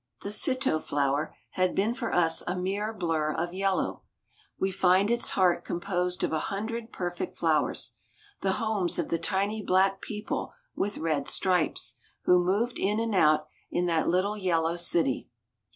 The citto flower had been for us a mere blur of yellow; we find its heart composed of a hundred perfect flowers, the homes of the tiny black people with red stripes, who moved in and out in that little yellow city.